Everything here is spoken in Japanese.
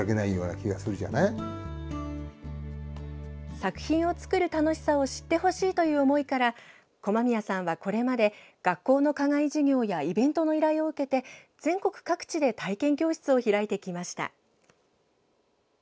作品を作る楽しさを知ってほしいという思いから駒宮さんは、これまで学校の課外授業やイベントの依頼を受けて全国各地で体験教室を開いてきました。